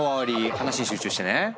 話に集中してね。